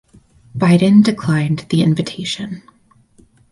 Biden declined the invitation.